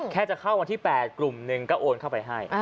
แค่จะเข้าวันที่๘กลุ่มหนึ่งก็โอนเข้าไปให้